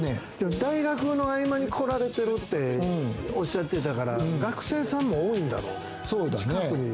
大学の合間に来られてるっておっしゃってたから、学生さんも多いんだろうね。